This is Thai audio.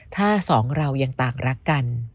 ถ้าสองเรายังต่างรักกัน